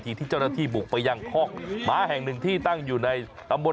ที่นั่นก็โดนเหมือนกัน